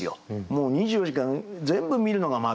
もう２４時間全部見るのが窓。